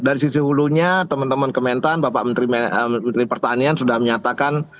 dari sisi hulunya teman teman kementan bapak menteri pertanian sudah menyatakan